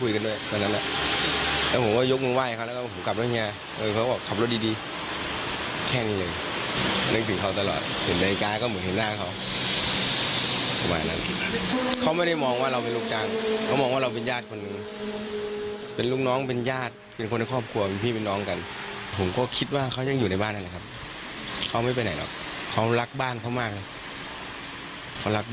ผมก็มาอยู่นี่แหละผมไม่ไปไหนหรอก